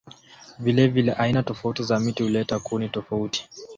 Vilevile aina tofauti za miti huleta kuni tofauti.